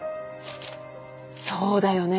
そうだよね